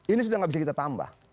ini sudah tidak bisa kita tambah